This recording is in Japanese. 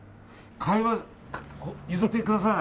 譲ってください！